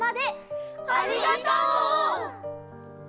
ありがとう！